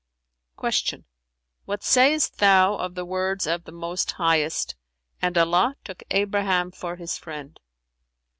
'" Q "What sayest thou of the words of the Most Highest, 'And Allah took Abraham for His friend'"?